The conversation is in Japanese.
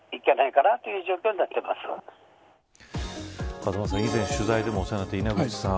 風間さん、以前取材でもお世話になった稲口さん